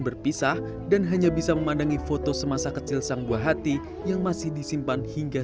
berpisah dan hanya bisa memandangi foto semasa kecil sang buah hati yang masih disimpan hingga